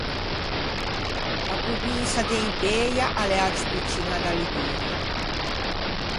A provinsa de Impëia a l'é a ciù picciña da Liguria.